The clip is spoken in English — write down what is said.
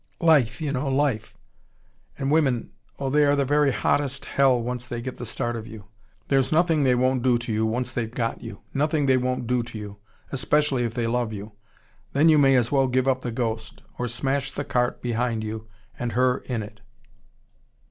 Life, you know, life. And women oh, they are the very hottest hell once they get the start of you. There's NOTHING they won't do to you, once they've got you. Nothing they won't do to you. Especially if they love you. Then you may as well give up the ghost: or smash the cart behind you, and her in it.